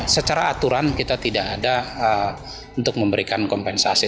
secara aturan kita tidak ada untuk memberikan kompensasi